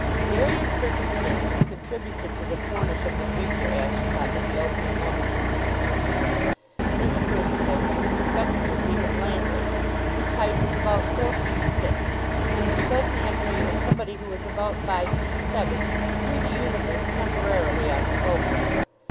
Various circumstances contributed to the poorness of the figure Ashe cut in the opening moments of this interview. In the first place, he was expecting to see his landlady, whose height was about four feet six, and the sudden entry of somebody who was about five feet seven threw the universe temporarily out of focus.